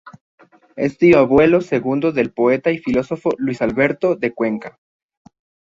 Es tío abuelo segundo del poeta y filólogo Luis Alberto de Cuenca.